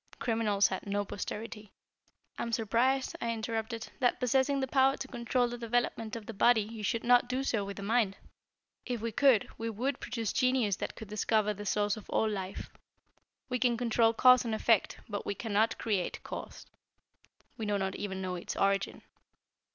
Criminals had no posterity." "I am surprised," I interrupted, "that possessing the power to control the development of the body, you should not do so with the mind." "If we could we would produce genius that could discover the source of all life. We can control Cause and Effect, but we cannot create Cause. We do not even know its origin.